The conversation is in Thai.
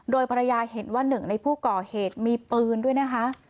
โดยภรรยาเห็นว่าหนึ่งในผู้ก่อเหตุมีปืนด้วยนะคะ